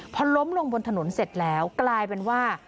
พอล้มลงบนถนนเสร็จแล้วกลายเป็นว่า